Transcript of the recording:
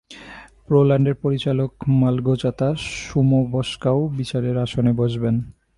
পোল্যান্ডের পরিচালক মালগোজাতা সুমোবসকাও বিচারকের আসনে বসবেন।